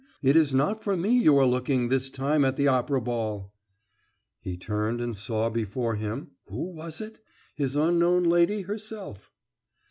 It is not for me you are looking, this time, at the Opera ball!" He turned and saw before him Who was it? His unknown lady herself.